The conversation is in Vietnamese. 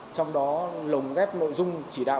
trong đó lồng ghép nội dung chỉ đạo